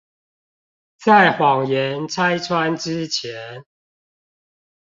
在謊言拆穿之前